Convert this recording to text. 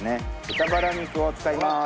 豚バラ肉を使います。